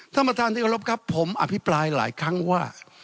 ท่านประธานที่เคารพครับผมอภิปรายหลายครั้งว่า